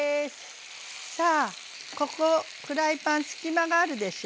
さあここフライパン隙間があるでしょ？